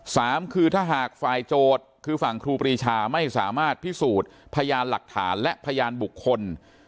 สามคือถ้าหากฝ่ายโจทย์คือฝั่งครูปรีชาไม่สามารถพิสูจน์พยานหลักฐานและพยานบุคคล